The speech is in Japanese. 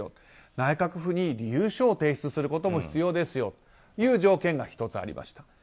内閣府に理由書を提出することも必要ですという条件が１つありました。